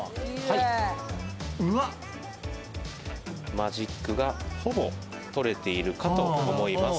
マジックがほぼ取れているかと思います。